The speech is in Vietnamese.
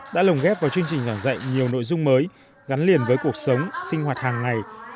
đã lồng ghép vào chương trình giảng dạy nhiều nội dung mới gắn liền với cuộc sống sinh hoạt hàng ngày